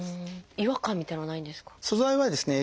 違和感みたいなのはないんですか？